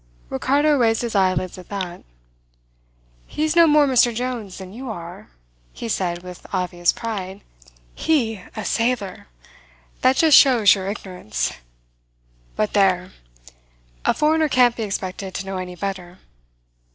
Ricardo raised his eyelids at that. "He's no more Mr. Jones than you are," he said with obvious pride. "He a sailor! That just shows your ignorance. But there! A foreigner can't be expected to know any better.